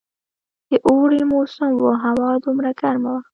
د اوړي موسم وو، هوا دومره ګرمه وه.